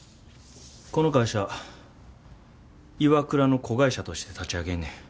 この会社ＩＷＡＫＵＲＡの子会社として立ち上げんねん。